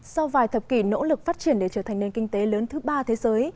sau vài thập kỷ nỗ lực phát triển để trở thành nền kinh tế lớn thứ ba thế giới